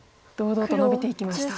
堂々とノビていきました。